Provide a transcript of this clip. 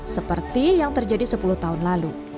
seperti yang terjadi sepuluh tahun lalu